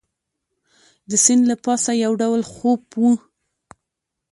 د سیند له پاسه یو ډول خوپ وو.